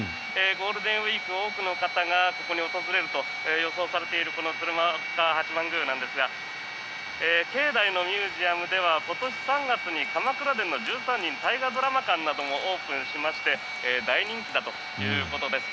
ゴールデンウィーク多くの方がそこに訪れると予想されている鶴岡八幡宮ですが境内のミュージアムでは今年３月に「鎌倉殿の１３人大河ドラマ館」などもオープンしまして大人気だということです。